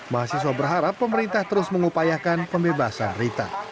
mahasiswa berharap pemerintah terus mengupayakan pembebasan rita